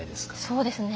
そうですね。